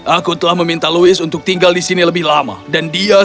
aku telah meminta louis untuk tinggal di sini lebih lama dan dia setuju